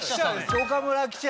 岡村記者